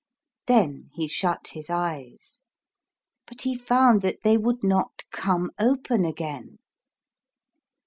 Then he shut his eyes, but he found that they would not " come open " again.